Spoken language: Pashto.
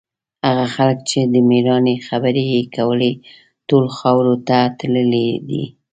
هغه خلک چې د مېړانې خبرې یې کولې، ټول خاورو ته تللي دي.